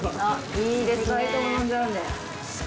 いいですね！